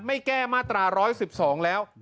แก้มาตรา๑๑๒แล้ว